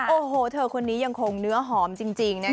โอ้โหเธอคนนี้ยังคงเนื้อหอมจริงนะคะ